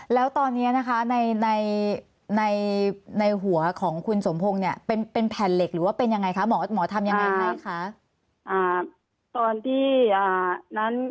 แล้วตอนนี้นะคะในในหัวของคุณสมพงศ์เนี่ยเป็นแผ่นเหล็กหรือว่าเป็นยังไงคะหมอหมอทำยังไงให้คะ